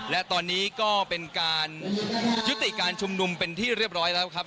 และตอนนี้ก็เป็นการยุติการชุมนุมเป็นที่เรียบร้อยแล้วครับ